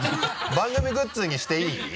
番組グッズにしていい？